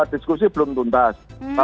diskusi belum tuntas jadi